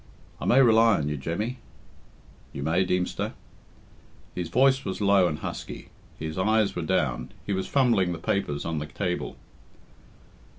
"I may rely on you, Jemmy?" "You may, Deemster." His voice was low and husky, his eyes were down, he was fumbling the papers on the table.